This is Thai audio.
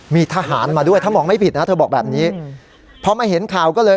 มีทหารมาด้วยถ้ามองไม่ผิดนะเธอบอกแบบนี้พอมาเห็นข่าวก็เลย